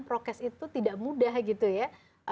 prokes itu tidak mudah gitu ya